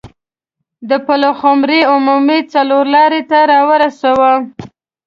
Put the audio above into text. د پلخمري عمومي څلور لارې ته راورسوه.